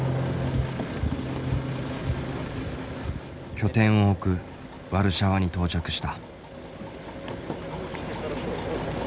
拠点を置くワルシャワに到着した。